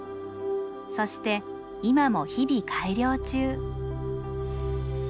そして今も日々改良中。